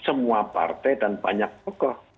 semua partai dan banyak tokoh